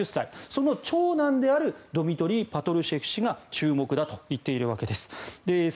その長男であるドミトリー・パトルシェフ氏が注目だと言っているわけです。